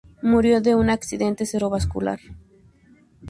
Murió de un accidente cerebrovascular.